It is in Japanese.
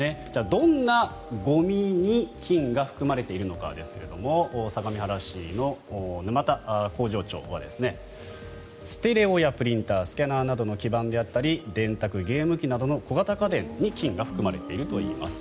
どんなゴミに金が含まれているのかですが相模原市の沼田工場長はステレオやプリンタースキャナーなどの基板であったりゲーム機などの小型家電に金が含まれているといいます。